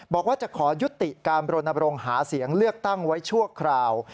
บอกว่าจะขอยุติการบรณบรงหาเสียงเลือกตั้งไว้ชั่วคราว